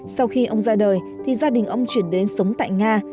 sau khi ông ra đời thì gia đình ông chuyển đến sống tại nga